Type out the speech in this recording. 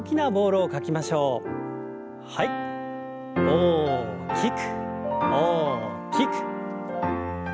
大きく大きく。